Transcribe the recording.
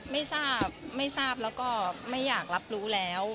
ไม่ทราบไม่ทราบแล้วก็ไม่อยากรับรู้แล้ว